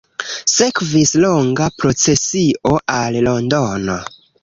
Sekvis longa procesio al Londono.